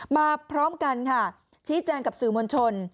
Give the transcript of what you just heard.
พร้อมกันค่ะชี้แจงกับสื่อมวลชน